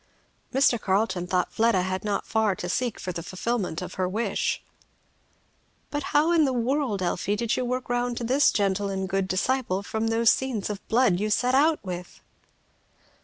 Mr. Carleton thought Fleda had not far to seek for the fulfilment of her wish. "But how in the world, Elfie, did you work round to this gentle and good disciple from those scenes of blood you set out with?"